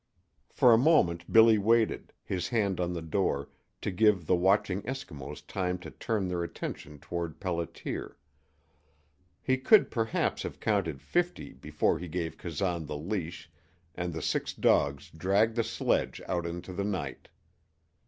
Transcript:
For a moment Billy waited, his hand on the door, to give the watching Eskimos time to turn their attention toward Pelliter. He could perhaps have counted fifty before he gave Kazan the leash and the six dogs dragged the sledge out into the night.